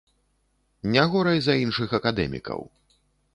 Не горай за іншых акадэмікаў.